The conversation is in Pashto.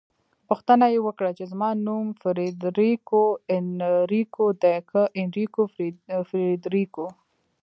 پوښتنه يې وکړه چې زما نوم فریدریکو انریکو دی که انریکو فریدریکو؟